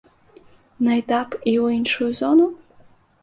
На этап і ў іншую зону?